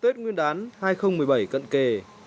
tết nguyên đán hai nghìn một mươi bảy cận kề